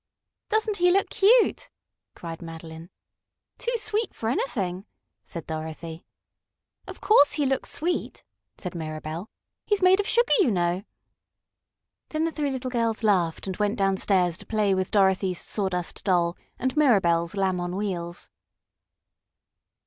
"Doesn't he look cute?" cried Madeline. "Too sweet for anything!" said Dorothy. "Of course he looks sweet!" said Mirabell. "He's made of sugar, you know!" Then the three little girls laughed and went downstairs to play with Dorothy's Sawdust Doll and Mirabell's Lamb on Wheels.